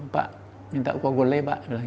pak minta kogoleh pak